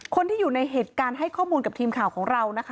คนที่อยู่ในเหตุการณ์ให้ข้อมูลกับทีมข่าวของเรานะคะ